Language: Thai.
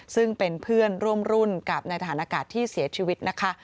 ซึ่งเป็นเพื่อนร่วมรุ่นกับนายทหารอากาศที่เสียชีวิตนะคะ